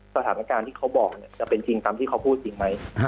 สถานการณ์ที่เขาบอกจะเป็นจริงตามที่เขาพูดจริงไหม